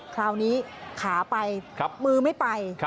คราวนี้ขาไปมือไม่ไป